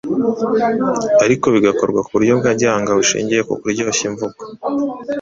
ariko bigakorwa ku buryo bwa gihanga bushingiye ku kuryoshya imvugo.